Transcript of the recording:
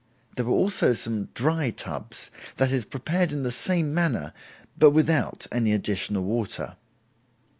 There were also some dry tubs, that is, prepared in the same manner, but without any additional water.